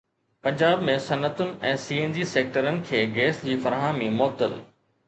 پنجاب ۾ صنعتن ۽ C N G سيڪٽرن کي گيس جي فراهمي معطل